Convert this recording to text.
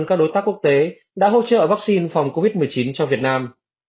các đối tác quốc tế đã hỗ trợ vaccine phòng covid một mươi chín cho việt nam